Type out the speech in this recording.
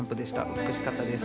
美しかったです。